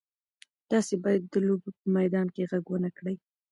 تاسي باید د لوبې په میدان کې غږ ونه کړئ.